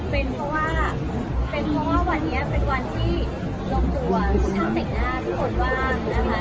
เป็นเพราะว่าวันนี้เป็นวันที่ลงตัวช่างเต็กตาทุกคนว่างนะคะ